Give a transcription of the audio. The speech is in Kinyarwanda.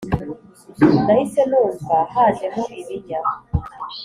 Nahise numva hajemo ibinya